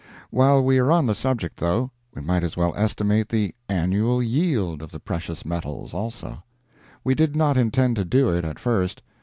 While we are on the subject, though, we might as well estimate the "annual yield" of the precious metals, also; we did not intend to do it at first.